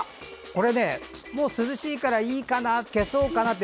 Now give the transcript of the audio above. これね、もう涼しいからいいかな消そうかなって。